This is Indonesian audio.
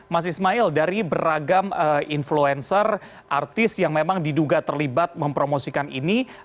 mas ismail dari beragam influencer artis yang memang diduga terlibat mempromosikan ini